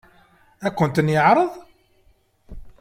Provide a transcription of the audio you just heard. Ad akent-ten-yeɛṛeḍ?